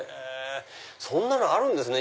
そんなのあるんですね